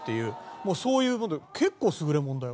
もうそういう事結構すぐれもんだよ。